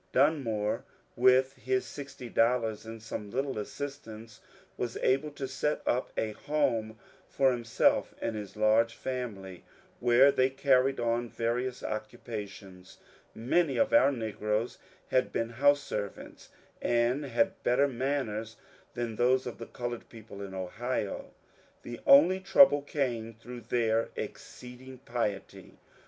Dunmore with his sixty dollars and some little assistance was able to set up a home for him self and his large family, where they carried on various occu pations. Many of our negroes had been house servants, and had better manners than most of the coloured people in Ohio. The only trouble came through their exceeding piety.